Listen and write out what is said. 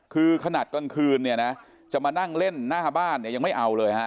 คือขนาดกลางคืนจะมานั่งเล่นหน้าบ้านยังไม่เอาเลย